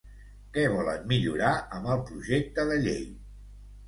Què volen millorar amb el projecte de llei?